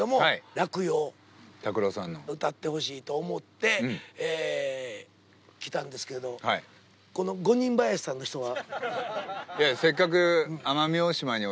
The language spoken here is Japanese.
『落陽』歌ってほしいと思って来たんですけどこの五人ばやしさんの人は？